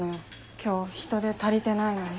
今日人手足りてないのに。